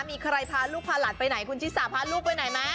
มีใครพาลูกพาหลานไปไหนคุณชิสาพาลูกไปไหนไหม